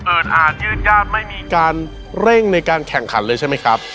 อาจยืดญาติไม่มีการเร่งในการแข่งขันเลยใช่ไหมครับ